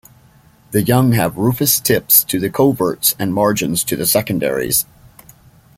The young have rufous tips to the coverts and margins to the secondaries.